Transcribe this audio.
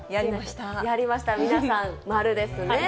やりました、皆さん、丸ですね。